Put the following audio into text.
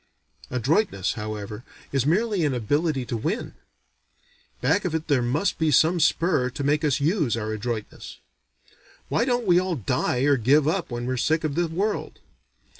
Adroitness however is merely an ability to win; back of it there must be some spur to make us use our adroitness. Why don't we all die or give up when we're sick of the world?